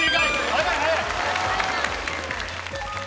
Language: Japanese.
早い早い。